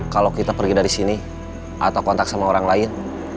kalau kita pergi dari sini atau kontak sama orang lain